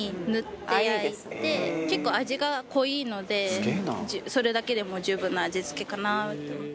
結構味が濃いのでそれだけでもう十分な味付けかなと。